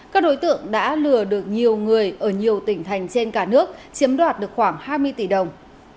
các đối tượng đã lừa được nhiều người ở nhiều tỉnh thành trên cả nước chiếm đoạt được khoảng hai mươi tỷ đồng